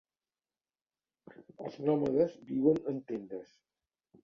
Els nòmades viuen en tendes.